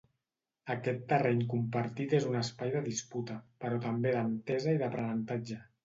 Aquest terreny compartit és un espai de disputa, però també d'entesa i d'aprenentatge.